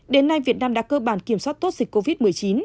đến nay việt nam đã cơ bản kiểm soát tốt dịch covid một mươi chín